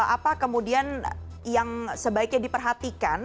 apa kemudian yang sebaiknya diperhatikan